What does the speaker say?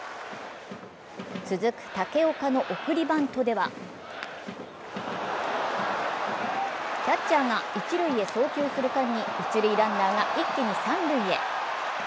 続く武岡の送りバントではキャッチャーが一塁へ送球する間に一塁ランナーが一気に三塁へ。